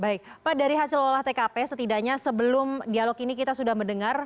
baik pak dari hasil olah tkp setidaknya sebelum dialog ini kita sudah mendengar